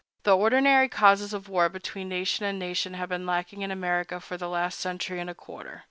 The ordinary causes of war between nation and nation have been lacking in America for the last century and a quarter.